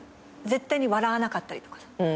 絶対に笑わなかったりとかさ。